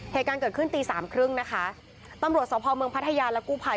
เหตุการณ์เกิดขึ้นตีสามครึ่งนะคะตำรวจสพเมืองพัทยาและกู้ภัย